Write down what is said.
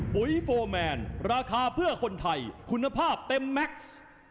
ปุ๋ยโฟร์แมนราคาเพื่อคนไทยคุณภาพเต็มแม็กซ์